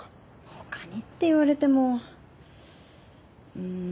他にって言われてもうん。